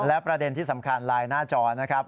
และประเด็นที่สำคัญไลน์หน้าจอนะครับ